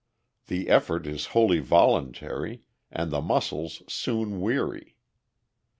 The effort is wholly voluntary, and the muscles soon weary.